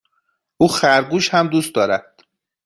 او خرگوش هم دوست دارد.